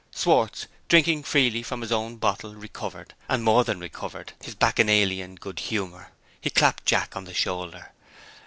Schwartz, drinking freely from his own bottle, recovered, and more than recovered, his Bacchanalian good humor. He clapped Jack on the shoulder.